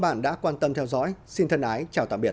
bạn đã quan tâm theo dõi xin thân ái chào tạm biệt